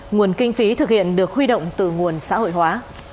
nguồn kinh phí thực hiện được huy động từ nguồn xã hội hóa